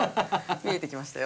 見えてきましたよ。